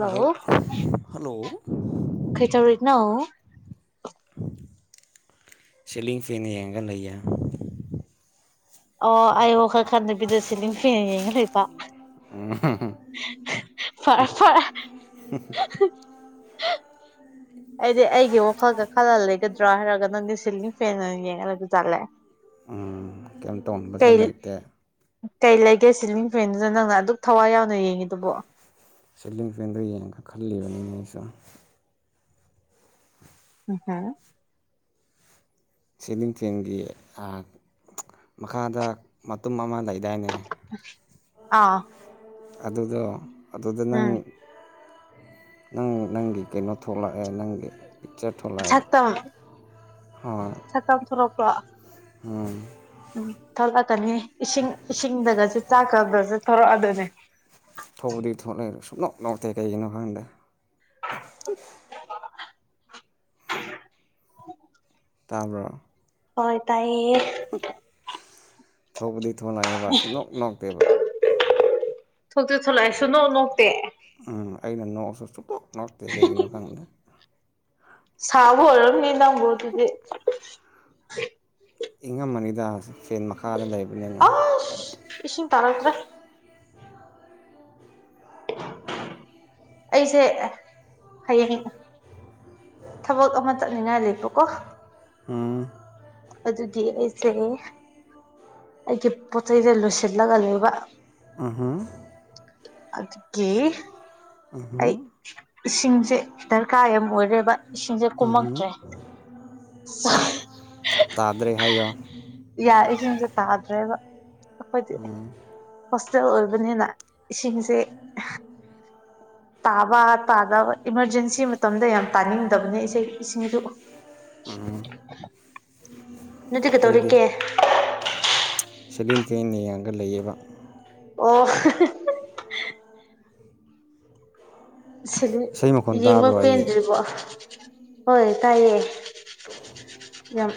Hello hello ꯀꯩꯗꯧꯔꯤꯅꯣ ꯁꯦꯂꯤꯡ ꯐꯦꯟ ꯌꯦꯡꯉꯒ ꯂꯩꯌꯦ ꯑꯣ ꯑꯩ ꯋꯥꯈꯜ ꯈꯟꯗꯕꯤꯗ ꯁꯦꯂꯤꯡ ꯐꯦꯟ ꯌꯦꯡꯉꯒ ꯂꯩꯕ ꯐꯔꯦ ꯐꯔꯦ ꯑꯩꯗꯤ ꯑꯩꯒꯤ ꯋꯥꯈꯜꯒ ꯈꯜꯂ ꯂꯩꯒꯗ꯭ꯔꯥ ꯍꯥꯏꯔꯒ ꯅꯪꯗꯤ ꯁꯤꯂꯤꯡ ꯐꯦꯟ ꯑꯣꯏꯅ ꯌꯦꯡꯉ ꯂꯩꯕꯖꯥꯠꯂꯦ ꯎꯝ ꯀꯩꯝ ꯇꯣꯡꯕꯁꯨ ꯂꯩꯇꯦ ꯀꯩ ꯂꯩꯒꯦ ꯁꯤꯂꯤꯡ ꯐ꯭ꯔꯦꯟꯗꯨꯅ ꯅꯪꯅ ꯑꯗꯨꯛ ꯊꯋꯥꯏ ꯌꯥꯎꯅ ꯌꯦꯡꯉꯤꯗꯨꯕꯣ ꯁꯤꯂꯤꯡ ꯐꯦꯟꯗ ꯌꯦꯡꯒ ꯈꯜꯂꯤꯕꯅꯤꯅ ꯑꯩꯁꯨ ꯎ ꯍꯝ ꯁꯤꯂꯤꯡꯊꯦꯟꯒꯤ ꯑꯥ ꯃꯈꯥꯗ ꯃꯇꯨꯝ ꯑꯃ ꯂꯩꯗꯥꯏꯅꯦ ꯑꯥ ꯑꯗꯨꯗꯣ ꯑꯗꯨꯗ ꯅꯪ ꯎꯝ ꯅꯪ ꯅꯪꯒꯤ ꯀꯩꯅꯣ ꯊꯣꯛꯂꯛꯑꯦ ꯅꯪꯒꯤ ꯄꯤꯛꯆꯔ ꯊꯣꯛꯂꯛꯑꯦ ꯁꯛꯇꯝ ꯁꯛꯇꯝ ꯊꯣꯂꯛꯄ꯭ꯔꯣ ꯎꯝ ꯎꯝ ꯊꯣꯛꯂꯛꯀꯅꯤ ꯏꯁꯤꯡ ꯏꯁꯤꯡꯗꯒꯁꯨ ꯆꯥꯛꯀꯕꯁꯨ ꯊꯂꯛꯑ ꯑꯗꯨꯅꯦ ꯊꯣꯛꯄꯨꯗꯤ ꯊꯣꯛꯂꯦ ꯁꯨꯛꯅꯣꯛ ꯅꯣꯛꯇꯦ ꯀꯩꯒꯤꯅꯣ ꯈꯪꯗꯦ [unintelligible] ꯇꯥꯕ꯭ꯔꯣ ꯍꯣꯏ ꯇꯥꯏꯌꯦ ꯊꯣꯛꯄꯨꯗꯤ ꯊꯣꯛꯂꯛꯑꯦꯕ ꯁꯨꯡꯅꯣꯛ ꯅꯣꯛꯇꯦꯕ ꯊꯣꯛꯇꯤ ꯊꯣꯛꯂꯛꯑꯦ ꯁꯨꯛꯅꯣꯛ ꯅꯣꯛꯇꯦ ꯑꯥ ꯑꯩꯅ ꯅꯣꯛꯑꯣꯁꯨ ꯁꯨꯛꯅꯣꯛ ꯅꯣꯛꯇꯦ ꯀꯩꯒꯤꯅꯣ ꯈꯪꯗꯦ ꯁꯥꯎꯕ ꯑꯣꯢꯔꯝꯅꯤ ꯅꯪꯕꯨ ꯑꯗꯨꯗꯤ ꯏꯪꯉꯝꯃꯅꯤꯗ ꯐꯦꯟ ꯃꯈꯥꯗ ꯂꯩꯕꯅꯤꯅ ꯑꯁ ꯏꯁꯤꯡ ꯇꯥꯔꯛꯇ꯭ꯔꯦ ꯑꯩꯁꯦ ꯍꯌꯦꯡ ꯊꯕꯛ ꯑꯃ ꯆꯠꯅꯤꯡꯉꯥꯏ ꯂꯩꯕꯀꯣ ꯎꯝ ꯑꯗꯨꯗꯤ ꯑꯩꯁꯦ ꯑꯩꯒꯤ ꯄꯣꯠ ꯆꯩꯩꯗ ꯂꯣꯏꯁꯤꯜꯂꯒ ꯂꯩꯕ ꯎꯝ ꯍꯨꯝ ꯑꯗꯨꯒꯤ ꯎꯝ ꯑꯩ ꯍꯨꯝ ꯏꯁꯤꯡꯁꯦ ꯗꯥꯔꯀꯥꯔ ꯌꯥꯝ ꯑꯣꯏꯔꯦꯕ ꯏꯁꯤꯡꯁꯦ ꯀꯨꯝꯃꯛꯇ꯭ꯔꯦ ꯎꯝꯍꯨꯝ [unintelligible] ꯇꯥꯗꯔ꯭ꯦ ꯍꯥꯏꯌꯣ ꯏꯌꯥ ꯏꯁꯤꯡꯁꯦ ꯇꯥꯗ꯭ꯔꯦꯕ ꯑꯈꯣꯏꯗꯤ ꯍꯣꯁꯇꯦꯜ ꯑꯣꯏꯕꯅꯤꯅ ꯏꯁꯤꯡꯁꯦ ꯇꯥꯕ ꯇꯥꯗꯕ ꯏꯃꯔꯖꯦꯟꯁꯤ ꯃꯇꯝꯗ ꯌꯥꯝ ꯇꯥꯅꯤꯡꯗꯕꯅꯦ ꯏꯁꯩ ꯏꯁꯤꯡꯖꯨ ꯎꯝ ꯅꯪꯗꯤ ꯀꯩꯗꯧꯔꯤꯀꯦ [unintelligible] ꯆꯦꯟꯅ ꯌꯦꯡꯉꯒ ꯂꯩꯌꯦꯕ꯫ ꯑꯣ ꯁꯤꯂꯤꯠ ꯏꯁꯩ ꯃꯈꯣꯟ ꯌꯦꯡꯕ ꯇꯥꯕ꯭ꯔꯣ ꯑꯩꯒꯤ ꯄꯦꯟꯗ꯭ꯔꯤꯕꯣ ꯍꯣꯏ ꯇꯥꯏꯌꯦ ꯌꯥꯝ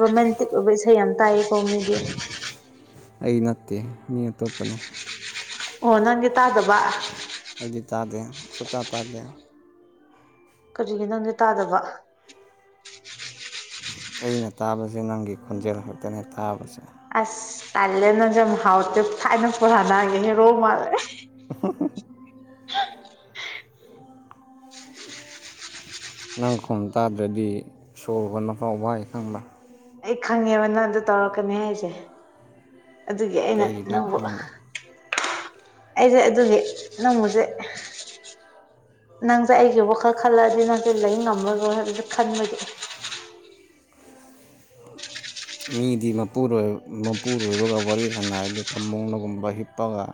ꯔꯣꯃꯦꯟꯇꯤꯛ ꯑꯣꯏꯕ ꯏꯁꯩ ꯌꯥꯝ ꯇꯥꯏꯌꯦꯀꯣ ꯃꯤꯗꯤ ꯑꯩꯒꯤ ꯅꯠꯇꯦ ꯃꯤ ꯑꯇꯣꯞꯄꯅꯦ ꯑꯣ ꯅꯪꯗꯤ ꯇꯥꯗꯕ ꯑꯩꯗꯤ ꯇꯥꯗꯦ ꯁꯨꯛꯇꯥ ꯇꯥꯗꯦ ꯀꯔꯤꯒꯤꯅꯣꯅꯦ ꯇꯥꯗꯕ ꯑꯩꯅ ꯇꯥꯕꯁꯦ ꯅꯪꯒꯤ ꯈꯣꯟꯖꯦꯜ ꯈꯛꯇꯅꯦ ꯇꯥꯕꯁꯦ ꯑꯁ ꯇꯜꯂꯦ ꯅꯪꯖꯦ ꯌꯥꯝ ꯍꯥꯎꯇꯦ ꯊꯥꯏꯅ ꯄꯣꯍꯥꯗꯥꯒꯤ ꯍꯦꯔꯣ ꯃꯥꯜꯂꯦ [unintelligible] ꯅꯪ ꯈꯣꯝ ꯇꯥꯗ꯭ꯔꯗꯤ ꯁꯣꯔ ꯍꯣꯟꯕꯐꯥꯎ ꯋꯥꯏ ꯈꯪꯕ꯭ꯔ ꯑꯩ ꯈꯪꯉꯦꯕ ꯅꯪ ꯑꯗꯨ ꯇꯧꯔꯛꯀꯅꯤ ꯍꯥꯏꯁꯦ ꯑꯗꯨꯒꯤ ꯑꯩꯅ ꯀꯩꯒꯤꯅꯣ ꯅꯪꯕꯨ ꯈꯪꯗꯦ ꯑꯩꯖ‌ꯦ ꯑꯗꯨꯒꯤ ꯅꯣꯡꯃꯖ‌ꯦ ꯅꯪꯁꯦ ꯑꯩꯒꯤ ꯋꯥꯈꯜ ꯈꯜꯂꯛꯑꯗꯤ ꯅꯪꯁꯦ ꯂꯩ ꯉꯝꯃꯔꯣꯏ ꯍꯥꯏꯕꯗꯣ ꯈꯟꯕꯒꯤ ꯃꯤꯗꯤ ꯃꯄꯨꯔꯣꯏ ꯃꯄꯨꯔꯣꯏꯕꯒ ꯋꯥꯔꯤ ꯁꯥꯟꯅꯔꯗꯤ ꯐꯝꯃꯨꯡꯗꯒꯨꯝꯕ ꯍꯤꯞꯄꯒ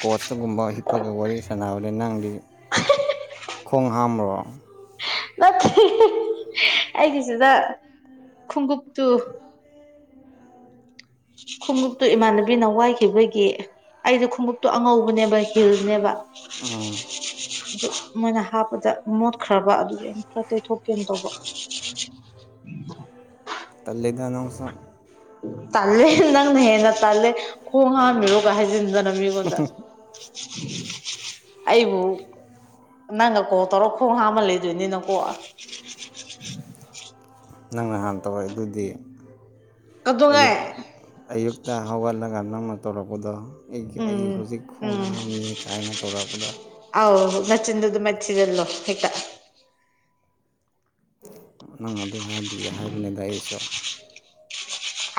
ꯀꯣꯆꯇꯒꯨꯝꯕ ꯍꯤꯞꯄꯒ ꯋꯥꯔꯤ ꯁꯥꯟꯅꯕꯅꯦ ꯅꯪꯗꯤ ꯈꯣꯡ ꯍꯥꯝꯃꯕꯣ ꯅꯠꯇꯦ ꯑꯩꯒꯤꯁꯤꯗ ꯈꯣꯡꯒꯨꯞꯇꯨ ꯈꯣꯡꯎꯞꯇꯨ ꯏꯃꯥꯟꯅꯕꯤꯅ ꯋꯥꯏꯈꯤꯕꯒꯤ ꯑꯩꯗꯣ ꯈꯣꯡꯎꯞꯇꯣ ꯑꯉꯧꯕꯅꯦꯕ ꯍꯤꯜꯅꯦꯕ ꯎꯝ ꯑꯗꯨ ꯃꯣꯏꯅ ꯍꯥꯞꯄꯗ ꯃꯣꯠꯈ꯭ꯔꯕ ꯑꯗꯨꯒꯤ ꯑꯩꯟ ꯈꯔ ꯇꯩꯊꯣꯛꯀꯦꯅ ꯇꯧꯕ [inaudible] ꯇꯜꯂꯦꯗ ꯅꯪꯁꯨ ꯇꯜꯂꯦ ꯅꯪꯅ ꯍꯦꯟꯅ ꯇꯜꯂꯦ ꯈꯣꯡ ꯍꯥꯝꯃꯤꯔꯣ ꯀꯥꯏ ꯍꯥꯏꯖꯤꯟꯗꯅ ꯃꯤꯉꯣꯟ ꯒꯨꯜꯗ ꯑꯩꯕꯨ ꯅꯪꯅ ꯀꯣꯜ ꯇꯧꯔꯣ ꯈꯣꯡ ꯍꯥꯝꯃ ꯂꯩꯗꯣꯏꯅꯤꯅ ꯀꯣ ꯅꯪ ꯅꯍꯥꯟ ꯇꯧꯔꯛꯏꯗꯨꯗꯤ ꯑꯌꯨꯛ ꯀꯩꯗꯧꯉꯩ ꯑꯌꯨꯛꯇ ꯍꯧꯒꯠꯂꯒ ꯅꯪꯅ ꯇꯧꯔꯛꯄꯗꯣ ꯑꯩꯒꯤ ꯑꯩ ꯎꯝ ꯍꯧꯖꯤꯛ ꯈꯣꯡ ꯎꯝ ꯍꯥꯝꯃꯤꯌꯦ ꯀꯥꯏꯅ ꯇꯧꯔꯛꯄꯗ ꯑꯥꯎ ꯅꯆꯤꯟꯗꯨ ꯑꯗꯨꯃꯥꯏ ꯊꯤꯖꯤꯜꯂꯨ ꯍꯦꯛꯇ ꯅꯪ ꯑꯗꯨ ꯍꯥꯏꯔꯝꯕꯒꯤ ꯍꯥꯏꯕꯅꯤꯗ ꯑꯩꯁꯨ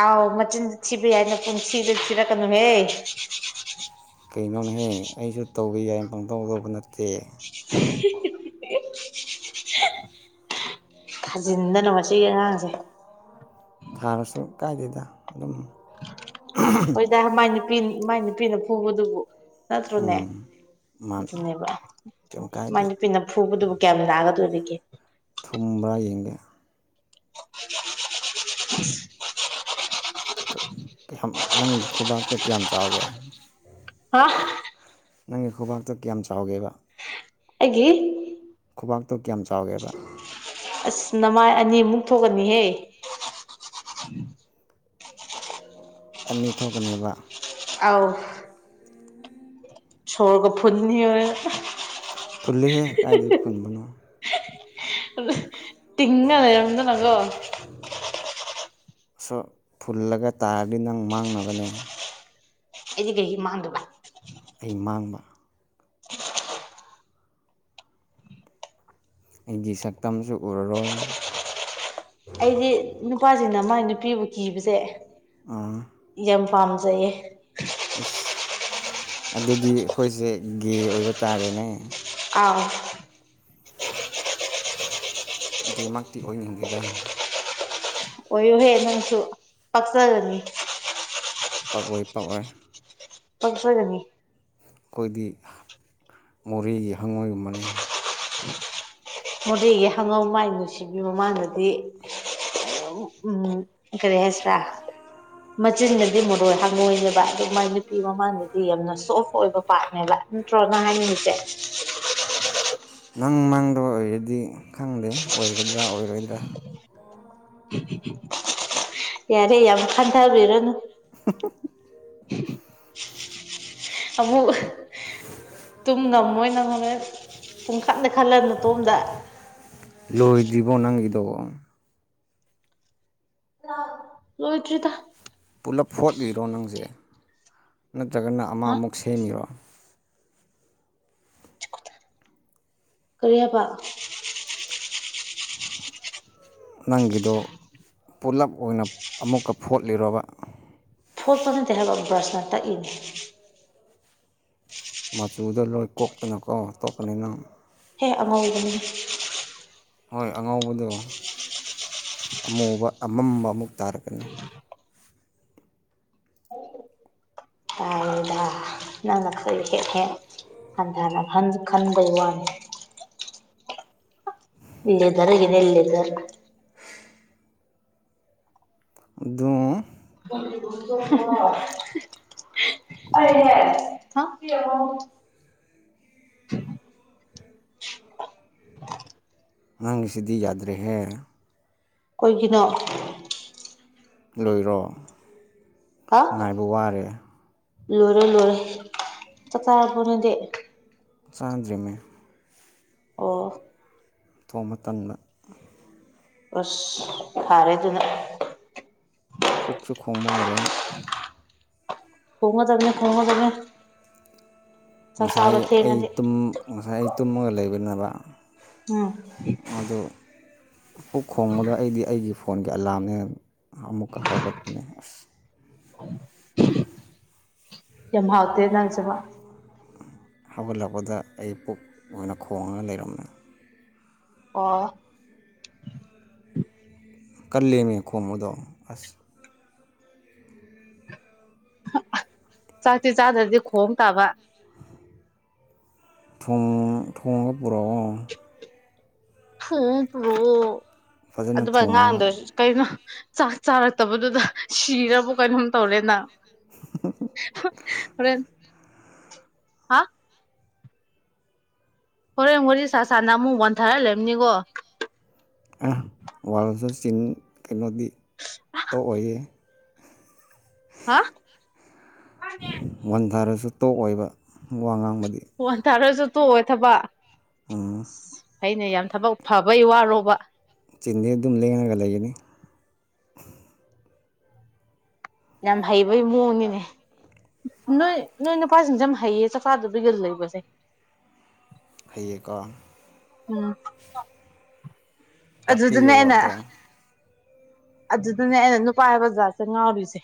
ꯑꯥꯎ ꯃꯆꯤꯟꯗꯤ ꯊꯤꯕ ꯌꯥꯏꯅ ꯅꯆꯤꯟ ꯊꯤꯗꯤ ꯊꯤꯔꯛꯀꯅꯨꯍꯦ ꯀꯩꯅꯣꯅꯦꯍꯦ ꯑꯩꯁꯨ ꯇꯧꯕ ꯌꯥꯏꯅ ꯄꯪꯇꯧ ꯇꯧꯕ ꯅꯠꯇꯦ [unintelligible] [unintelligible] ꯊꯥꯖꯤꯟꯗꯅ ꯃꯁꯤꯒꯤ ꯑꯉꯥꯡꯁꯦ ꯊꯥꯔꯁꯨ ꯀꯥꯏꯗꯦꯗ ꯑꯗꯨꯝ ꯗ ꯃꯥꯏ ꯅꯨꯄꯤꯟ ꯃꯥꯏ ꯅꯨꯄꯤꯅ ꯐꯨꯕꯗꯨꯕꯨ ꯅꯠꯇ꯭ꯔꯣꯅꯦ ꯎꯝ ꯃꯥꯅꯤ ꯑꯗꯨꯅꯦꯕ ꯀꯩꯝ ꯃꯥꯏ ꯀꯥꯏꯗꯦ ꯅꯨꯄꯤꯅ ꯐꯨꯕꯗꯨꯕꯨ ꯀꯌꯥꯝ ꯅꯥꯒꯗꯣꯔꯤꯒꯦ ꯊꯨꯝꯕ꯭ꯔ ꯌꯦꯡꯒꯦ [inaudible] ꯀꯩꯍꯝꯃꯨ ꯅꯪꯒꯤ ꯈꯨꯕꯥꯛꯇꯣ ꯀꯌꯥꯝ ꯆꯥꯎꯒꯦ ꯍꯥ [unintelligible] ꯅꯪꯒꯤ ꯈꯨꯕꯥꯛꯇꯣ ꯀꯌꯥꯝ ꯆꯥꯎꯒꯦꯕ ꯑꯩꯒꯤ ꯈꯨꯕꯥꯛꯇꯣ ꯀꯌꯥꯝ ꯆꯥꯎꯒꯦꯕ ꯑꯁ ꯅꯃꯥꯏ ꯑꯅꯤꯃꯨꯛ ꯊꯣꯛꯀꯅꯤꯍꯦ ꯑꯅꯤ ꯊꯣꯛꯀꯅꯦꯕ ꯑꯧ ꯁꯣꯔꯒ ꯐꯨꯟꯅꯤꯍꯦ ꯐꯨꯟꯂꯤꯍꯦ ꯀꯥꯏꯗꯩ ꯐꯨꯟꯕꯅꯣ [unintelligible] ꯇꯤꯡꯉ ꯂꯩꯔꯝꯗꯅꯀꯣ ꯁꯣ ꯐꯨꯜꯂꯒ ꯇꯥꯔꯗꯤ ꯅꯪ ꯃꯥꯡꯅꯕꯅꯦ ꯑꯩꯗꯤ ꯀꯩꯒꯤ ꯃꯥꯡꯗꯣꯕ ꯑꯩ ꯃꯥꯡꯕ ꯑꯩꯒꯤ ꯁꯛꯇꯝꯁꯨ ꯎꯔꯔꯣꯏ ꯑꯩꯗꯤ ꯅꯨꯄꯥꯁꯤꯡꯅ ꯃꯥꯥꯏ ꯅꯨꯄꯤꯕꯨ ꯀꯤꯕꯁꯦ ꯑꯥ ꯌꯥꯝ ꯄꯥꯝꯖꯩꯌꯦ ꯑꯁ ꯑꯗꯨꯗꯤ ꯑꯩꯈꯣꯏꯁꯦ ꯒꯦ ꯑꯣꯏꯕ ꯇꯥꯔꯦꯅꯦ ꯑꯥꯎ ꯒꯦ ꯃꯛꯇꯤ ꯑꯣꯏꯅꯤꯡꯗꯦꯗ ꯑꯣꯏꯌꯨꯍꯦ ꯅꯪꯁꯨ ꯄꯛꯆꯒꯅꯤ ꯄꯛꯑꯣꯏ ꯄꯛꯑꯣꯏ ꯄꯛꯆꯒꯅꯤ ꯑꯩꯈꯣꯏꯗꯤ ꯃꯣꯔꯦꯒꯤ ꯍꯪꯉꯣꯏꯒꯨꯝꯕꯅꯤ ꯃꯣꯔꯦꯒꯤ ꯍꯪꯉꯧ ꯃꯥꯏ ꯅꯨꯡꯁꯤꯕꯤꯕ ꯃꯥꯅꯗꯤ ꯎꯝ ꯀ꯭ꯔꯤ ꯍꯥꯏꯁꯤꯔꯥ ꯃꯆꯤꯟꯅꯗꯤ ꯃꯔꯣꯏ ꯍꯪꯉꯣꯏꯅꯦꯕ ꯑꯗꯨ ꯃꯥꯏ ꯅꯨꯄꯤ ꯃꯃꯥꯟꯗꯗꯤ ꯌꯥꯝꯅ ꯁꯣꯐ ꯑꯣꯏꯕ ꯄꯥꯝꯅꯦꯕ ꯇ꯭ꯔꯣ ꯅꯪ ꯍꯥꯏꯅꯤꯡꯉꯤꯁꯦ [unintelligible] ꯅꯪ ꯃꯪꯗ ꯑꯣꯏꯔꯗꯤ ꯈꯪꯗꯦ ꯑꯣꯏꯒꯗ꯭ꯔꯥ ꯑꯣꯏꯔꯣꯏꯗ꯭ꯔꯥ ꯌꯥꯔꯦ ꯌꯥꯝ ꯈꯟꯊꯕꯤꯔꯅꯨ [unintelligible] ꯑꯃꯨꯛ ꯇꯨꯝ ꯉꯝꯃꯣꯏ ꯅꯪ ꯍꯣꯔꯦꯟ ꯄꯨꯡꯈꯟꯗ ꯈꯜꯂ ꯅꯇꯣꯝꯗ ꯂꯣꯏꯗꯤ꯭ꯕꯣ ꯅꯪꯒꯤꯗꯣ ꯂꯣꯏꯗꯔꯤꯗ ꯄꯨꯂꯞ ꯐꯣꯠꯂꯤꯔꯣ ꯅꯪꯁꯦ ꯅꯠꯇ꯭ꯔꯒꯅ ꯑꯃ ꯍꯥ ꯑꯃꯨꯛ ꯁꯦꯝꯃꯤꯔꯣ ꯀꯔꯤ ꯍꯥꯏꯕ ꯅꯪꯒꯤꯗꯣ ꯄꯨꯂꯞ ꯑꯣꯏꯅ ꯑꯃꯨꯛꯀ ꯐꯣꯠꯂꯤꯔ‌ꯣꯕ ꯐꯣꯠꯄ ꯅꯠꯇꯦ ꯍꯥꯏꯕ ꯕ꯭ꯔꯁꯅ ꯇꯛꯏꯅ‌ꯦ ꯃꯆꯨꯗꯣ ꯂꯣꯏ ꯀꯣꯛꯇꯅꯀꯣ ꯇꯣꯛꯀꯅꯤ ꯅꯪ ꯍꯦ ꯑꯉꯧꯕꯅꯦ ꯍꯣꯏ ꯑꯉꯧꯕꯗꯣ ꯑꯃꯨꯕ ꯑꯃꯝꯕ ꯑꯃꯨꯛ ꯇꯥꯔꯛꯀꯅꯤ ꯇꯥꯏꯗ [unintelligible] ꯅꯪꯅ ꯈꯔ ꯍꯦꯛ ꯍꯦꯛ ꯍꯟꯊꯅ ꯈꯟ ꯈꯟꯕꯩ ꯋꯥꯅꯤ ꯂꯦꯗꯔꯒꯤꯅꯦ ꯂꯦꯗꯔ ꯑꯗꯨ [unintelligible] [unintelligible] [unintelligible] ꯑꯉꯥꯡꯒꯤꯁꯤꯗꯤ ꯌꯥꯗ꯭ꯔꯦꯍꯦ ꯀꯩꯒꯤꯅꯣ ꯂꯣꯏꯔꯣ ꯉꯥꯏꯕ ꯋꯥꯔꯦ ꯂꯣꯏꯔ‌ꯦ ꯂꯣꯏꯔ‌ꯦ ꯆꯥꯛ ꯆꯥꯔꯕ‌ꯣ ꯅꯪꯗꯤ ꯆꯥꯗꯔꯤꯃꯦ ꯑꯣ ꯊꯣꯡꯕ ꯇꯟ ꯑꯁ ꯐꯥꯔꯦ ꯑꯗꯨꯅ ꯄꯨꯛꯁꯨ ꯈ‌ꯣꯡꯕ ꯍꯧꯔꯛꯑꯦ [unintelligible] ꯆꯥꯛ ꯉꯁꯥꯏ ꯆꯥꯕ ꯑꯩ ꯊꯦꯡꯉꯗꯤ ꯇꯨꯝ ꯉꯁꯥꯏ ꯑꯩ ꯇꯨꯝꯃꯒ ꯂꯩꯕꯅ‌ꯦꯕ ꯎꯝ ꯑꯗꯨ ꯄꯨꯛ ꯈꯣꯡꯕꯗꯣ ꯑꯩꯗꯤ ꯑꯩꯒꯤ ꯐꯣꯟꯒꯤ ꯑꯦꯂꯥꯝꯅꯦ ꯑꯃꯨꯛꯀ ꯍꯧꯒꯠꯄꯅꯦ [inaudible] ꯌꯥꯝ ꯍꯥꯎꯇ‌ꯦ ꯅꯪꯁꯤꯃ ꯍꯧꯒꯠꯂꯛꯄꯗ ꯑꯩ ꯄꯨꯛ ꯑꯣꯏꯅ ꯈꯣꯡꯉꯒ ꯂꯩꯔꯝꯃꯦ ꯑꯣ ꯀꯜꯂꯦꯅ‌ꯦ ꯈꯣꯡꯕꯗ‌ꯣ ꯑꯁ ꯆꯥꯛꯇꯤ ꯆꯥꯗ꯭ꯔꯗꯤ ꯈꯣꯡ ꯇꯥꯕ ꯊꯣꯡ ꯊ‌ꯣꯡꯉꯒ ꯄꯨꯔꯛꯑꯣ ꯍ ꯄꯨꯔꯛꯑꯣ ꯐꯖꯅ ꯑꯗꯨꯃꯥꯏ ꯊꯣꯡꯉꯒ ꯉꯥꯡꯗꯔꯁꯨ ꯀꯩꯅꯣ ꯆꯥꯛ ꯆꯥꯔꯛꯇꯕꯗꯨꯗ ꯁꯤꯔꯕ‌ꯣ ꯀꯩꯅꯣꯝ ꯇꯧꯔꯦꯅ ꯍ‌ꯣꯏꯔ‌ꯦꯟ ꯍꯣꯔꯦꯟ ꯋꯥꯔꯤ ꯁꯥ ꯁꯥꯅ ꯑꯃꯨꯛ ꯋꯥꯟ ꯊꯥꯔ ꯂꯩꯔꯝꯅꯤꯀꯣ ꯋꯥꯜꯖꯨ ꯆꯤꯡ ꯀꯩꯅꯣꯗꯤ ꯇ‌ꯣꯛ ꯑꯣꯏꯌꯦ ꯍꯥ [unintelligible] ꯋꯥꯟꯊꯔꯁꯨ ꯇ‌ꯣꯛꯑꯣꯏꯕ ꯋꯥ ꯉꯥꯡꯕꯗꯤ ꯋꯥꯟꯊꯔꯥꯖꯨ ꯇꯣꯛꯑ‌ꯣꯏ ꯊꯕꯥ ꯎꯝ ꯍꯩꯅ‌ꯦ ꯌꯥꯝ ꯊꯕꯛ ꯐꯕꯩ ꯋꯥꯔꯣꯕ ꯆꯤꯟꯗꯤ ꯑꯗꯨꯝ ꯂꯩꯡꯉꯒ ꯂꯩꯅꯤ ꯌꯥꯝ ꯍꯩꯕꯩ ꯃꯑꯣꯡꯅꯤꯅꯦ ꯅꯣꯏ ꯅꯣꯏ ꯅꯨꯄꯥꯖꯤꯡꯖ‌ꯦ ꯌꯥꯝ ꯍꯩꯌꯦ ꯆꯥꯛ ꯆꯥꯗꯕꯤꯒ ꯂꯩꯕꯖ‌ꯦ ꯐꯩꯌꯦꯀꯣ ꯎꯝ ꯑꯗꯨꯗ ꯅꯦ ꯇꯥꯛꯄꯤꯌꯨꯔꯣ ꯑꯩꯅꯥ ꯑꯗꯣ ꯑꯗꯨꯗꯅꯦ ꯑꯩꯅ ꯅꯨꯄꯥ ꯍꯥꯏꯕꯥ ꯖꯥꯠꯁꯦ ꯉꯥꯎꯔꯤꯁꯦ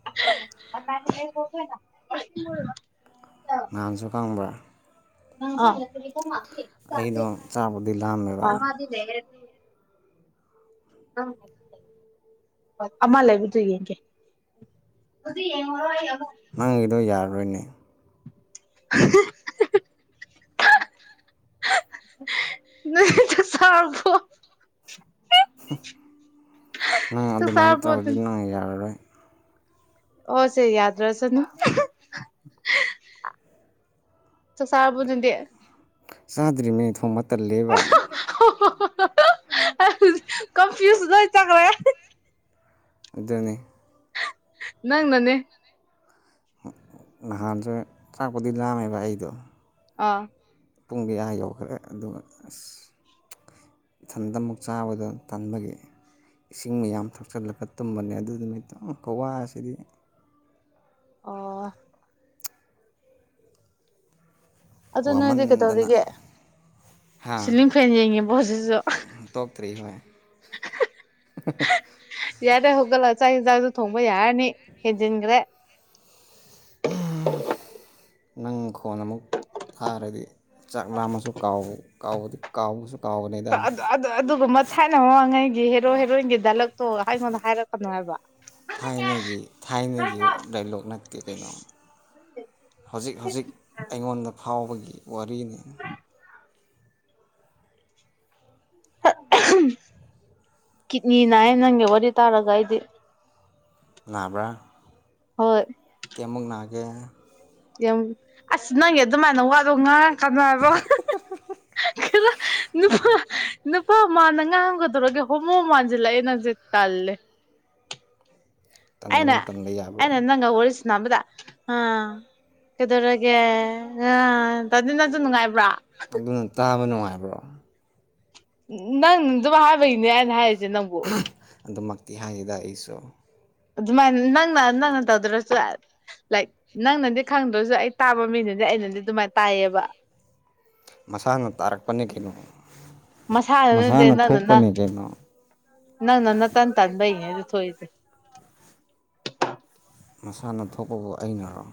[unintelligible] ꯗꯥꯥꯟꯁꯨ ꯈꯪꯕꯔꯥ [unintelligible] ꯑꯩꯗ‌ꯣ ꯆꯥꯛꯄꯨꯗꯤ ꯂꯥꯝꯃꯦꯕꯥ [unintelligible] ꯑꯃꯥ ꯂꯩꯕꯗꯨ ꯌꯦꯡꯒꯦ [unintelligible] ꯅꯪꯒꯤꯗꯣ ꯌꯥꯔꯣꯏꯅꯦ [inaudible] ꯅꯪ ꯆꯥꯛ ꯆꯔꯕ‌ꯣ ꯅꯪ ꯆꯥꯛ ꯑꯗꯨꯃꯥꯏꯅ ꯆꯥꯔꯕꯣ ꯇꯧꯔꯗꯤ ꯑꯗꯨꯗꯤ ꯅꯪ ꯌꯔꯥꯔꯣꯏ ꯑꯣ ꯁ‌ꯦ ꯌꯗ꯭ꯔꯥꯁꯅꯨ ꯆꯥꯛ ꯆꯔꯕ‌ꯣ ꯅꯪ ꯗꯤ ꯆꯥꯗ꯭ꯔꯤꯅ‌ꯦ ꯊꯣꯡꯕꯥ ꯇꯜꯂꯦꯕꯥ [unintelligible] ꯀꯝꯐ꯭ꯌꯨꯁ ꯂꯣꯏ ꯆꯠꯈ꯭ꯔꯦ ꯑꯗꯨꯅ‌ꯦ ꯅꯪ ꯅꯅꯦ ꯅꯍꯥꯟꯖꯨ ꯆꯥꯛꯄꯨꯗꯤ ꯂꯥꯝꯃꯦꯕ ꯑꯩꯗꯣ ꯑꯥ ꯄꯨꯡ ꯗꯤ ꯑꯥ ꯌꯧꯈ꯭ꯔꯦ ꯑꯗꯨꯒ ꯑꯁ ꯏꯊꯟꯗ ꯑꯃꯨꯛ ꯆꯥꯕꯗꯣ ꯇꯟꯕꯒꯤ ꯏꯁꯤꯡ ꯃꯌꯥꯝ ꯊꯛꯆꯜꯂꯒ ꯇꯨꯝꯕꯅꯦ ꯑꯗꯨ ꯅꯨꯃꯤꯠ ꯇ‌ꯣ ꯎꯝ ꯈꯨꯋꯥ ꯁꯤꯗꯤ ꯑꯣ ꯑꯗ‌ꯣ ꯅꯪꯏꯗꯤ ꯋꯥꯃꯟꯗꯅ ꯀꯩꯗꯧꯔꯤꯒꯦ ꯍꯥ ꯁꯤꯂꯤꯡ ꯐꯦꯟ ꯌꯦꯡꯉꯤꯕꯣ ꯍꯧꯖꯤꯛꯁꯨ ꯇꯣꯛꯇ꯭ꯔꯤ ꯍꯣꯏ [unintelligible] ꯌꯥꯔꯦ ꯍꯧꯒꯠꯂ‌ꯣ ꯆꯥꯛ ꯌꯦꯟꯖꯥꯡꯗ‌ꯣ ꯊꯣꯡꯕ ꯌꯥꯔꯅꯤ ꯍꯦꯟꯖꯤꯟꯒ꯭ꯔꯦ ꯍꯝ ꯅꯪ ꯈꯣꯟ ꯑꯃꯨꯛ ꯊꯥꯔꯗꯤ ꯆꯥꯛ ꯂꯥꯝꯃꯁꯨ ꯀꯥꯎ ꯀꯥꯎꯕꯗꯨ ꯀꯥꯎꯕꯁꯨ ꯇꯥ ꯑꯗ ꯑꯗ ꯑꯗ ꯑꯗꯨꯒꯨꯝꯕ ꯊꯥꯏꯅ ꯃꯃꯥꯡꯉꯩꯒꯤ ꯍꯦꯔꯣ ꯍꯦꯔꯣꯏꯟꯒꯤ ꯗꯂꯛꯇꯣ ꯑꯩꯉꯣꯟꯗ ꯍꯥꯏꯔꯛꯀꯅꯣ ꯍꯥꯏꯕ ꯊꯥꯏꯅꯒꯤ ꯊꯥꯏꯅꯒꯤ ꯗꯥꯏꯂꯣꯛ ꯅꯠꯇꯦ ꯀꯩꯅꯣ ꯍꯧꯖꯤꯛ ꯍꯧꯖꯤꯛ ꯑꯩꯉꯣꯟꯗ ꯐꯥꯎꯕꯒꯤ ꯋꯥꯔꯤꯅꯤ ꯑꯥꯍ [inaudible] ꯀꯤꯠꯅꯤꯅꯥꯌꯦ ꯅꯪꯒꯤ ꯋꯥꯔꯤ ꯇꯥꯔꯒ ꯑꯩꯗꯤ ꯅꯕ꯭ꯔꯥ ꯍꯣꯏ ꯀꯩꯃꯨꯛ ꯅꯥꯒꯦ ꯌꯥꯝ ꯑꯁ ꯅꯪꯒꯤ ꯑꯗꯨꯃꯥꯏꯅ ꯋꯥꯔꯧ ꯉꯡ ꯀꯅꯥꯕ [inaudible] ꯈꯔ ꯅꯨꯄꯥ ꯅꯨꯄꯥ ꯃꯟꯅ ꯉꯥꯡꯉꯣ ꯀꯩꯗꯦꯔꯒꯦ ꯍꯣꯃꯣ ꯃꯥꯟꯁꯤꯜꯂꯛꯑꯦ ꯅꯪꯁꯦ ꯇꯜꯂꯦ ꯑꯩꯅ ꯇꯟꯒꯅꯨ ꯇꯟꯕ ꯌꯥꯕ꯭ꯔꯣ ꯑꯩꯅ ꯅꯪ ꯋꯥꯔꯤ ꯁꯥꯟꯅꯕꯗ ꯑꯥ ꯀꯩꯗꯧꯔꯒꯦ ꯑ ꯇꯗꯤ ꯅꯪꯁꯨ ꯅꯨꯡꯉꯥꯏꯕ꯭ꯔꯣ ꯑꯗꯨꯅ ꯇꯥꯕ ꯅꯨꯡꯉꯥꯏꯕ꯭ꯔꯣ ꯅꯪ ꯑꯗꯨꯝ ꯍꯥꯏꯕꯒꯤꯅꯦ ꯑꯩꯅ ꯍꯥꯏꯔꯤꯁꯦ ꯅꯪꯕꯨ ꯑꯗꯨꯃꯛꯇꯤ ꯍꯥꯏꯗꯦꯗ ꯑꯩꯁꯨ ꯑꯗꯨꯃꯥꯏꯅ ꯅꯪꯅ ꯅꯪꯅ ꯇꯧꯗ꯭ꯔꯁꯨ ꯌꯥ ꯂꯥꯏꯛ ꯅꯪꯅꯗꯤ ꯈꯪꯗ꯭ꯔꯁꯨ ꯑꯩ ꯇꯥꯕ ꯃꯤꯅꯗꯤ ꯑꯩꯅꯗꯤ ꯑꯗꯨꯃꯥꯏꯅ ꯇꯥꯏꯌꯦꯕ ꯃꯁꯥꯅ ꯇꯥꯔꯛꯄꯅꯦ ꯀꯩꯅꯣ [inaudible] ꯃꯁꯥꯅ ꯊꯣꯛꯄꯅꯦ ꯀꯩꯅꯣ ꯅꯡꯅ ꯅꯇꯥꯟ ꯇꯥꯟꯕꯩꯅꯦ ꯑꯗꯨ ꯊꯣꯛꯏꯗꯨ ꯃꯁꯥꯅ ꯊꯣꯛꯄꯕꯨ ꯑꯩꯅꯔꯣ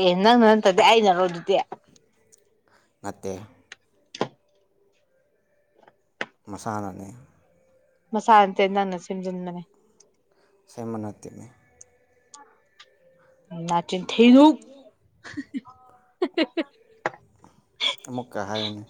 ꯑꯦ ꯅꯪꯅ ꯅꯠꯇꯗꯤ ꯑꯩꯅꯔꯣ ꯑꯗꯨꯗꯤ ꯅꯠꯇꯦ ꯃꯁꯥꯅꯅꯤ ꯃꯁꯥꯅ ꯅꯠꯇꯦ ꯅꯪꯅ ꯁꯦꯝꯖꯤꯟꯕꯅꯦ ꯁꯦꯝꯕ ꯅꯠꯇꯦꯅꯦ ꯅꯆꯤꯟ ꯊꯤꯅꯨ [inaudible] ꯍ ꯍ [inaudible] ꯑꯃꯨꯀ ꯍꯥꯏꯌꯨꯅꯦ